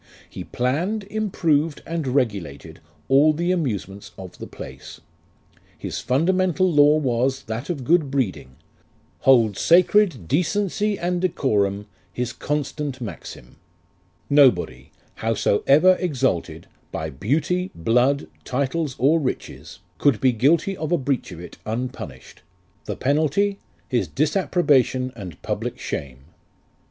He plann'd, improv'd, and regulated all the amusements of the place ; His fundamental law was, that of good breeding ; Hold sacred decency and decorum, His constant maxim : Nobody, howsoever exalted By beauty, blood, titles, or riches, Could be guilty of a breach of it, unpunished The penalty, his disapprobation and public shame.